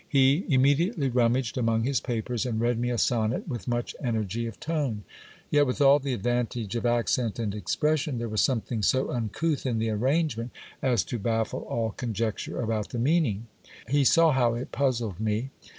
He immediately rummaged among his papers, and read me a sonnet with much energy of tone. Yet, with all the advantage of accent and expression, there was something so uncouth in the ar rangement, as to baffle all conjecture about the meaning. He saw how it puz zled me.